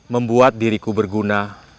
membuat diriku berguna